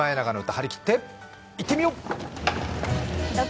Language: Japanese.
張り切っていってみよう！